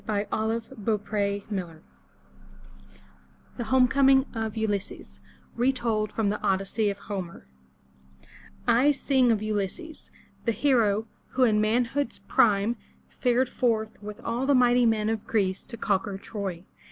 422 FROM THE TOWER WINDOW THE HOME COMING OF ULYSSES Retold from the Odyssey of Homer SING of U lys'ses, the hero, who in manhood's prime fared forth with all the mighty men of Greece to conquer Troy.